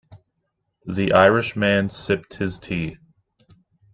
The Irish man sipped his tea.